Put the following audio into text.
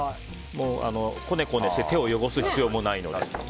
こねこねして手を汚す必要もないので。